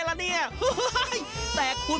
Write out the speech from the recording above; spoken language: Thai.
เพราะพี่แกดันเลยมาทักทายที่โค้งโซ่หน้ารถแบบนี้เลย